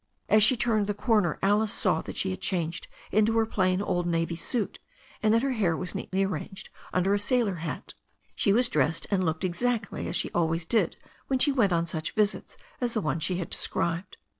As she turned the corner Alice saw that she had changed into her plain old navy suit, and that her hair was neatly arranged uudet z. sa\\oT \ssX. She was dressed and THE STORY OF A NEW ZEALAND RIVER 363 looked exactly as she always did when she went on such visits as the one she had described.